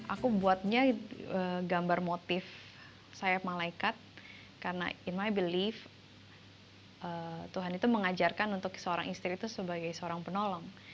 aku buatnya gambar motif sayap malaikat karena in my believe tuhan itu mengajarkan untuk seorang istri itu sebagai seorang penolong